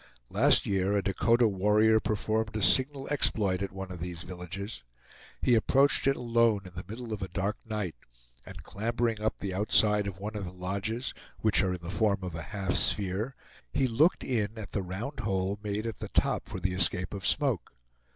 Last year a Dakota warrior performed a signal exploit at one of these villages. He approached it alone in the middle of a dark night, and clambering up the outside of one of the lodges which are in the form of a half sphere, he looked in at the round hole made at the top for the escape of smoke.